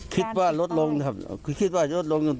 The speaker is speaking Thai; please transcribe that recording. คิดว่าลดลงครับคิดว่าลดลง